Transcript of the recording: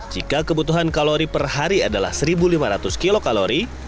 jika kebutuhan kalori per hari adalah satu lima ratus kilokalori